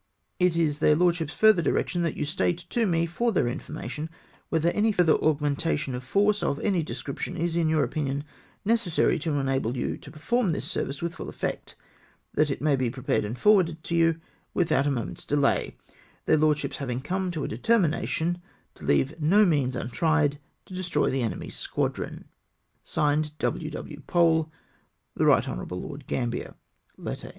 " It is their Lordships' further direction, that you state to me for their information, whether any further augmen tation of force of any description is in your opinion neces sary to enable you to perform this service with full effect, that it may be prepared and forwarded to you without a moment's delay — their Lordships having come to a deter mination to leave no means untried to destroy the enemy's squadron. (Signed) " W. W. Pole. " The Eight Hon. Lord Gambler."